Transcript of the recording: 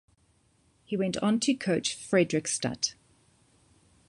He went on to coach Fredrikstad.